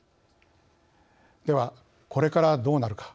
ではこれからどうなるか